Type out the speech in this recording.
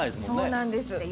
そうなんです。